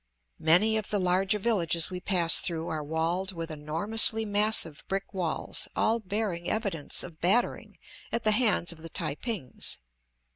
Many of the larger villages we pass through are walled with enormously massive brick walls, all bearing evidence of battering at the hands of the Tai pings.